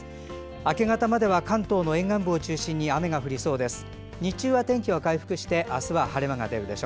明け方までは関東の沿岸部を中心に雨が降りそうです。